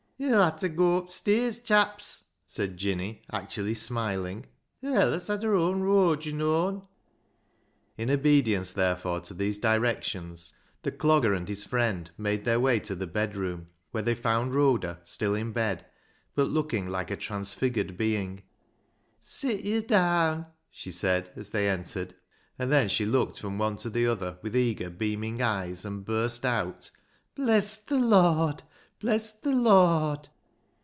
" Yo'll ha' ta goa upst'irs, chaps," said Jinny, actually smiling. " Hoo allis hed her own rooad, yo' known." In obedience, therefore, to these directions, the Clogger and his friend made their way to the bedroom, where they found Rhoda still in bed, but looking like a transfigured being. " Sit yo' daan," she said, as they entered, and then she looked from one to the other with eager, beaming eyes, and burst out, " Bless th' Lord ! Bless th' Lord